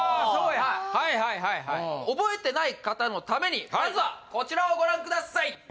そうやはいはいはいはい覚えてない方のためにまずはこちらをご覧ください